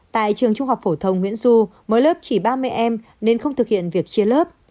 tại trường trung học phổ thông nguyễn du mỗi lớp chỉ ba mươi em nên không thực hiện việc chia lớp